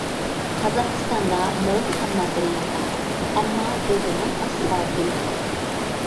قازاقىستاندا مول خام ماتېرىيال بار، ئەمما ئۆزىنىڭ ئاسفالتى يوق.